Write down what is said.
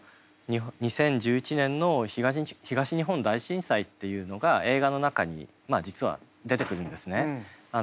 ２０１１年の東日本大震災っていうのが映画の中に実は出てくるんですね。